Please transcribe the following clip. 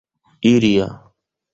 ilia